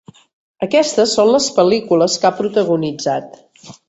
Aquestes són les pel·lícules que ha protagonitzat.